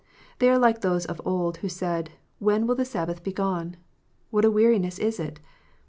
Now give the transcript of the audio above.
They are like those of old who said, "When will the Sabbath be gone?" "What a weariness is it!"